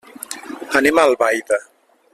Anem a Albaida.